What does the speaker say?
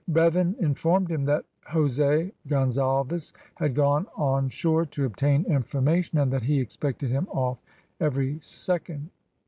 Bevan informed him that Jose Gonzalves had gone on shore to obtain information, and that he expected him off every instant.